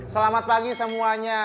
selamat pagi semuanya